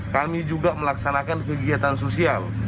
kami juga melaksanakan kegiatan sosial